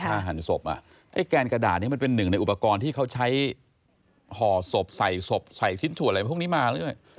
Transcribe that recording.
หั่นศพอ่ะไอ้แกนกระดาษนี้มันเป็นหนึ่งในอุปกรณ์ที่เขาใช้ห่อศพใส่ศพใส่ชิ้นส่วนอะไรพวกนี้มาหรือเปล่า